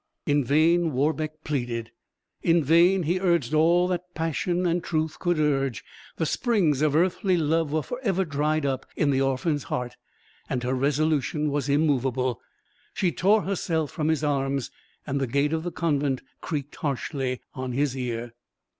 In vain Warbeck pleaded; in vain he urged all that passion and truth could urge; the springs of earthly love were for ever dried up in the orphan's heart, and her resolution was immovable she tore herself from his arms, and the gate of the convent creaked harshly on his ear.